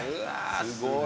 すごい。